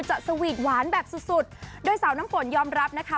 สวีทหวานแบบสุดสุดโดยสาวน้ำฝนยอมรับนะคะ